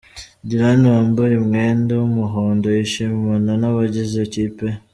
Dylan wambaye umwenda w’umuhondo yishimana n’abagize ikipe ye.